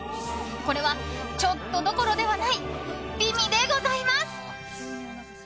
これは、ちょっとどころではない美味でございます。